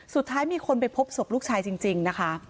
สุดท้ายมีคนไปพบศพลูกชายจริงนะคะ